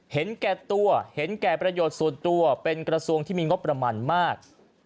เห็นแก่ตัวเห็นแก่ประโยชน์ส่วนตัวเป็นกระทรวงที่มีงบประมาณมาก